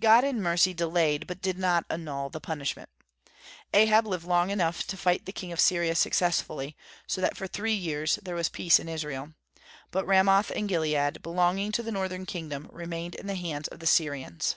God in mercy delayed, but did not annul, the punishment Ahab lived long enough to fight the king of Syria successfully, so that for three years there was peace in Israel. But Ramoth in Gilead, belonging to the northern kingdom, remained in the hands of the Syrians.